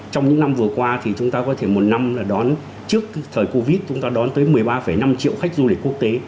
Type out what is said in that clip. trong những năm vừa qua thì chúng ta có thể một năm là đón trước thời covid chúng ta đón tới một mươi ba năm triệu khách du lịch quốc tế